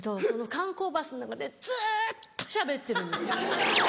観光バスの中でずっとしゃべってるんです！